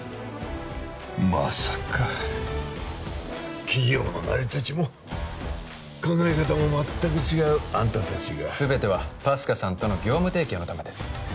まさか企業の成り立ちも考え方も全く違うあんた達が全てはＰＡＳＣＡさんとの業務提携のためです